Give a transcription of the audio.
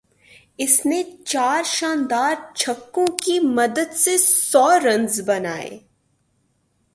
اس نے چار شاندار چھکوں کی مدد سے سو رنز بنائے